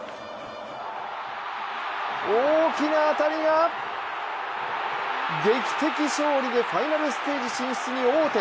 大きな当たりが劇的勝利でファイナルステージ進出へ王手。